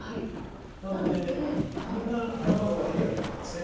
なのでみんな頑張るわけにはいかないです。